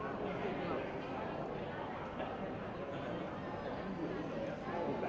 ไม่มีความสู้